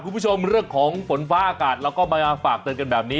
คุณผู้ชมเรื่องของฝนฟ้าอากาศเราก็มาฝากเตือนกันแบบนี้